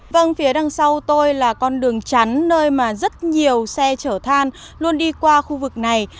vâng phía đằng sau tôi là con đường chắn nơi mà rất nhiều xe chở than luôn đi qua khu vực này